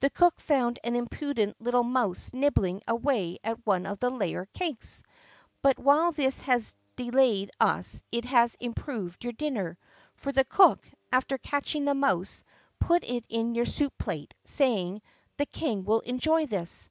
"The cook found an impudent little mouse nib bling away at one of the layer cakes. But while this has de layed us it has improved your dinner. For the cook, after catching the mouse, put it in your soup plate, saying, The King will enjoy this.